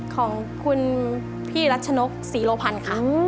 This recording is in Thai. ของคุณพี่รัชนกศรีโลพันธ์ค่ะ